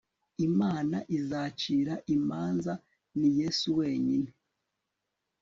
imana izacira imanza ni yezu wenyine